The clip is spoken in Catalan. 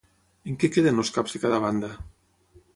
En què queden els caps de cada banda?